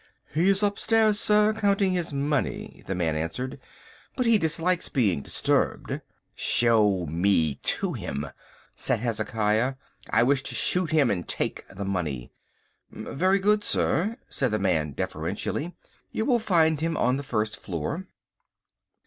"He is upstairs, sir, counting his money," the man answered, "but he dislikes being disturbed." "Show me to him," said Hezekiah, "I wish to shoot him and take his money." "Very good, sir," said the man deferentially. "You will find him on the first floor."